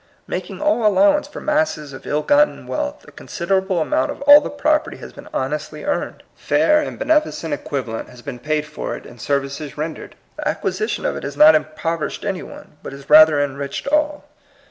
Making all allowance for masses of ill gotten wealth, a considerable amount of all the property has been honestly earned. Fair and beneficent equivalent has been paid for it in services rendered. The acquisition of it has not impover ished any one, but has rather enriched all.